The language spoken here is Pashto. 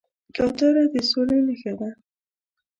کوتره د سولې نښه ده.